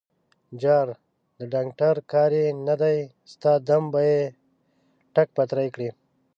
_جار، د ډانګټر کار يې نه دی، ستا دم به يې ټک پتری کړي.